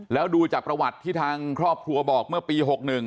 แล้วดูจากประวัติที่ทางครอบครัวบอกเมื่อปี๖๑